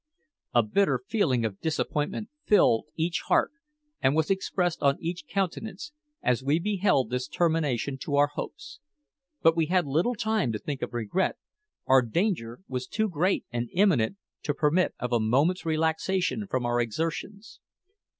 A bitter feeling of disappointment filled each heart, and was expressed on each countenance, as we beheld this termination to our hopes. But we had little time to think of regret. Our danger was too great and imminent to permit of a moment's relaxation from our exertions.